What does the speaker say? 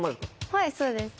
はいそうです。